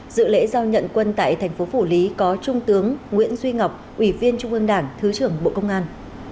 dự lễ giao nhận quân tại thành phố phủ lý có trung tướng nguyễn duy ngọc ủy viên trung ương đảng thứ trưởng bộ công an